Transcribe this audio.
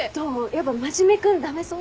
やっぱ真面目君駄目そう？